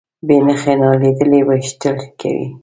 بې نښې نالیدلي ویشتل کوي.